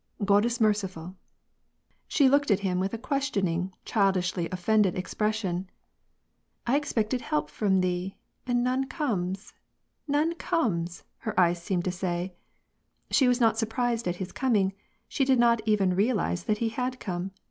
" God is mer ciful." She looked at him with a questioning, childishly offended expression. " I expected help from thee, and none comes, none comes !" her eyes seemed to sav. She was not surprised at his coming ; she did not even realize that he had come.